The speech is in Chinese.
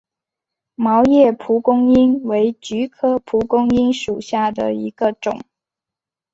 毛叶蒲公英为菊科蒲公英属下的一个种。